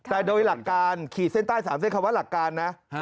แต่โดยหลักการขีดเส้นใต้๓เส้นคำว่าหลักการนะ